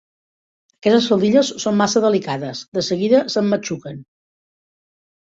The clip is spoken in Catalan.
Aquestes faldilles són massa delicades: de seguida s'emmatxuquen!